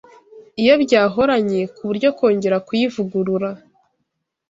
iyo byahoranye, ku buryo kongera kuyivugurura